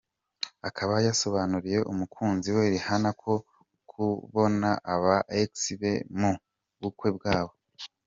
akaba yasobanuriye umukunzi we Rihanna ko kubona aba ex be mu bukwe bwabo.